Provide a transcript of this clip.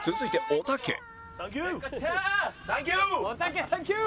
おたけサンキュー！